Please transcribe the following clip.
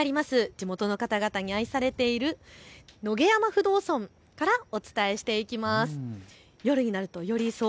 地元の方々に愛されている野毛山不動尊からお伝えしていきます。